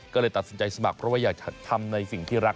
ก็เลยตัดสินใจสมัครเพราะว่าอยากทำในสิ่งที่รัก